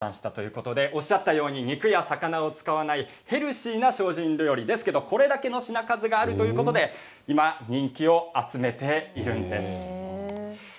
いちばん上の段真ん中の段そして、いちばん下おっしゃったように肉や魚を使わないヘルシーな精進料理ですけどこれだけの品数があるということで、今人気を集めているんです。